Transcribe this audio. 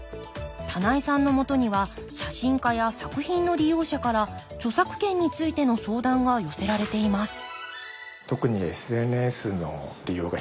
棚井さんのもとには写真家や作品の利用者から著作権についての相談が寄せられています